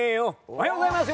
おはようございます。